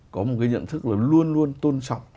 có một cái nhận thức là luôn luôn tôn trọng